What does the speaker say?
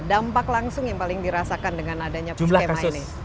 dampak langsung yang paling dirasakan dengan adanya skema ini